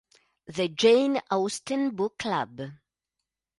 The Jane Austen Book Club